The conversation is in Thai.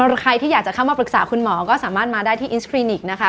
ใครที่อยากจะเข้ามาปรึกษาคุณหมอก็สามารถมาได้ที่อินสคลินิกนะคะ